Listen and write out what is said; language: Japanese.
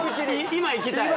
今いきたい